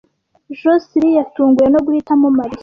Josehl yatunguwe no guhitamo Mariya.